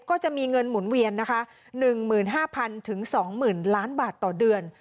ก็จะมีเงินหมุนเวียนนะคะ๑๕๐๐๐๒๐๐๐ล้านบาทต่อเดือน